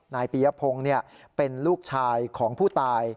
นายปียพงศ์เป็นลูกชายของผู้ตาย